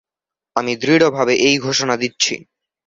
আমি দৃঢ়ভাবে এই ঘোষণা দিচ্ছি।